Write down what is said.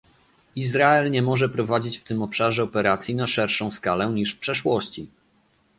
Izrael nie może prowadzić w tym obszarze operacji na szerszą skalę niż w przeszłości